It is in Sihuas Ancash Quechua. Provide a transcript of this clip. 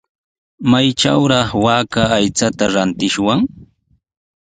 ¿Maytrawraq waaka aychata rantishwan?